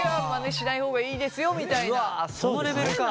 うわそのレベルか。